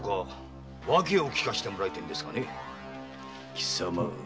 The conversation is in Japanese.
貴様。